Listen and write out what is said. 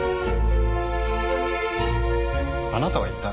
あなたは一体？